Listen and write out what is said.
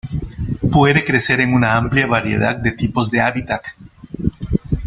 Puede crecer en una amplia variedad de tipos de hábitat.